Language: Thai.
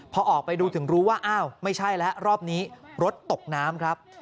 พอออกไปดูถึงรู้ว่าอ้าวไม่ใช่แล้วรอบนี้รถตกน้ำครับ